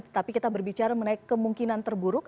tapi kita berbicara mengenai kemungkinan terburuk